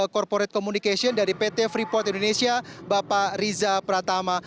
korporet komunikasi dari pt freeport indonesia bapak riza pratama